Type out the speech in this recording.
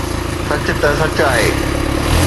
سچ ته سچ آهي